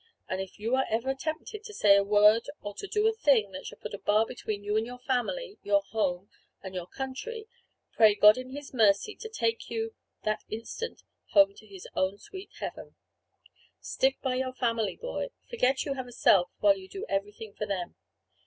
And if you are ever tempted to say a word or to do a thing that shall put a bar between you and your family, your home, and your country, pray God in His mercy to take you that instant home to His own heaven. Stick by your family, boy; forget you have a self, while you do everything for them.